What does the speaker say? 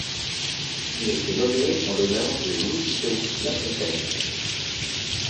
Il a été nommé en l'honneur de Louis-Hippolyte La Fontaine.